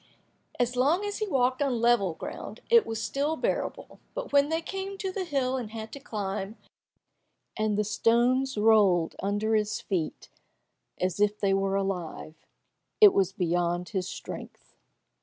As long as he walked on level ground, it was still bearable, but when they came to the hill and had to climb, and the stones rolled down under his feet as if they were alive, it was beyond his strength.